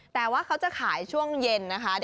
แต่ว่าเขาจะขายช่วงเย็นนะคะ